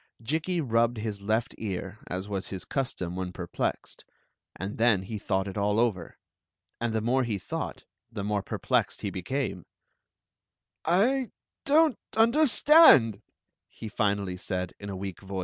Jikki rubbed his left ear, as was his custom when perplexed ; "and, then he thought it all over. And the more he ^ught the more periled he heatme. ! dcm't understandr he finally said, in a weak voice.